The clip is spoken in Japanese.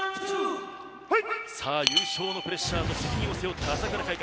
優勝のプレッシャーと責任を背負った朝倉海か。